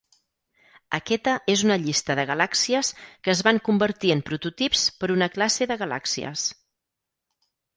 Aquesta és una llista de galàxies que es van convertir en prototips per una classe de galàxies.